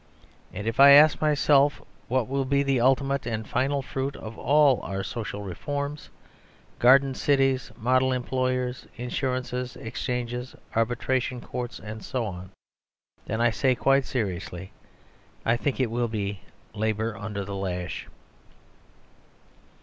And if I ask myself what will be the ultimate and final fruit of all our social reforms, garden cities, model employers, insurances, exchanges, arbitration courts, and so on, then, I say, quite seriously, "I think it will be labour under the lash."